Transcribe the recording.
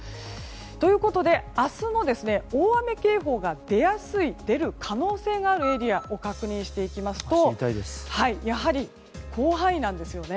ということで明日の大雨警報が出やすい、出る可能性があるエリアを確認していきますとやはり広範囲なんですね。